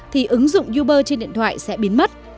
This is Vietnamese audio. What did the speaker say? thì ứng dụng uber trên điện thoại sẽ biến mất